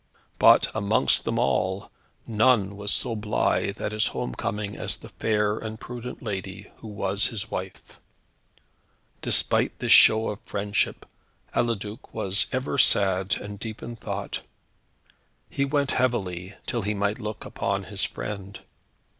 But, amongst them all, none was so blithe at his home coming as the fair and prudent lady who was his wife. Despite this show of friendship, Eliduc was ever sad, and deep in thought. He went heavily, till he might look upon his friend.